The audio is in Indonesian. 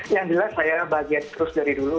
yang jelas saya bahagia terus dari dulu